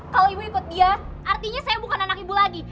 kalau ibu ikut dia artinya saya bukan anak ibu lagi